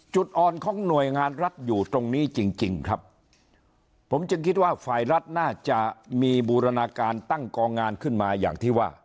จุดอ่อนของหน่วยงานรัฐอยู่ตรงนี้จริงจริงครับผมจึงคิดว่าฝ่ายรัฐน่าจะมีบูรณาการตั้งกองงานขึ้นมาอย่างที่ว่า